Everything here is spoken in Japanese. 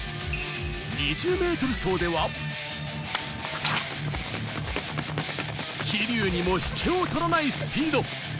２０ｍ走では、桐生にも引けを取らないスピード。